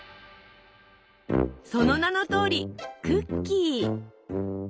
その名のとおりクッキー。